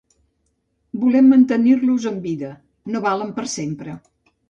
Volem mantenir-los en vida; no valen per sempre.